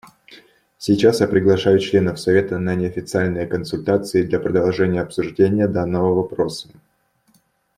Сейчас я приглашаю членов Совета на неофициальные консультации для продолжения обсуждения данного вопроса.